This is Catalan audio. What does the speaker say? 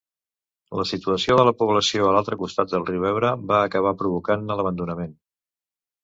La situació de la població a l'altre costat del riu Ebre va acabar provocant-ne l'abandonament.